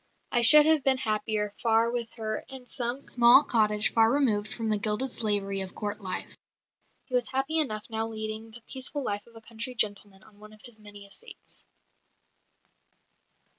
I should have been happier far with her in some small cottage far removed from the gilded slavery of Court life." He was happy enough now leading the peaceful life of a country gentleman on one of his many estates.